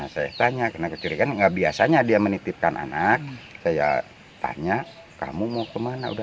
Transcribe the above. saya tanya karena kecurigaan enggak biasanya dia menitipkan anak saya tanya kamu mau kemana udah